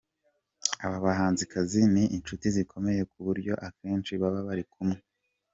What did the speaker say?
Aba bahanzi ni inshuti zikomeye ku buryo akenshi baba bari kumwe.